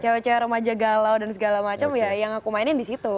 cewek cewek remaja galau dan segala macam ya yang aku mainin di situ